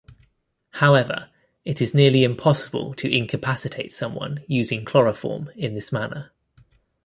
However, it is nearly impossible to incapacitate someone using chloroform in this manner.